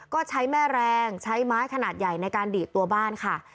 ก็ใช้แม่แรงใช้ไม้ขนาดใหญ่ในการดีดตัวบ้านค่ะ